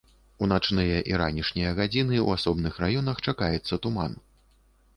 У начныя і ранішнія гадзіны ў асобных раёнах чакаецца туман.